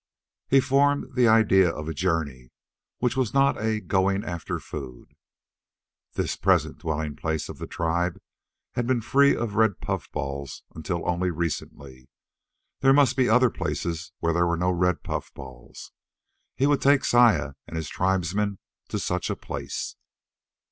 He formed the idea of a journey which was not a going after food. This present dwelling place of the tribe had been free of red puffballs until only recently. There must be other places where there were no red puffballs. He would take Saya and his tribesmen to such a place.